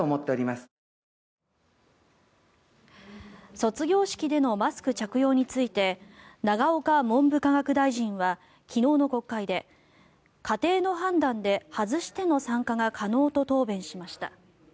卒業式でのマスク着用について永岡文部科学大臣は昨日の国会で家庭の判断で外しての参加が可能と答弁しました。